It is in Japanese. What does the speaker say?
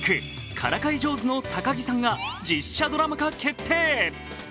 「からかい上手の高木さん」が実写ドラマ化決定。